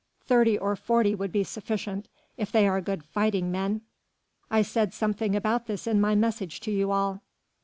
thirty or forty would be sufficient ... if they are good fighting men.... I said something about this in my message to you all."